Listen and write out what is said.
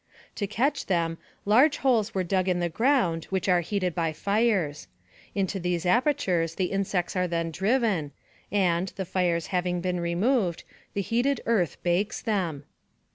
To catch them, large holes are dug in the ground, which are heated by fires. Into these apertures the insects are then driven, and, the fires having been removed, the heated earth bakes them.